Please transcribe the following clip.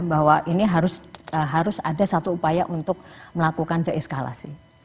bahwa ini harus ada satu upaya untuk melakukan deeskalasi